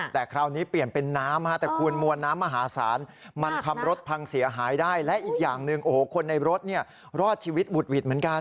แต่คราวนี้เปลี่ยนเป็นน้ำแต่คุณมวลน้ำมหาศาลมันทำรถพังเสียหายได้และอีกอย่างหนึ่งโอ้โหคนในรถรอดชีวิตบุดหวิดเหมือนกัน